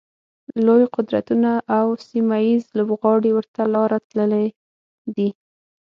لوی قدرتونه او سیمه ییز لوبغاړي ورته لاره تللي دي.